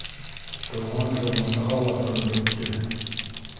Туған-тыумасаға ла көн бөттө.